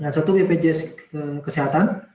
satu bpj kesehatan